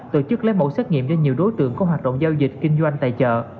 tổ chức lấy mẫu xét nghiệm cho nhiều đối tượng có hoạt động giao dịch kinh doanh tại chợ